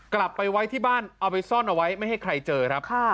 กลับไปไว้ที่บ้านเอาไปซ่อนเอาไว้ไม่ให้ใครเจอครับ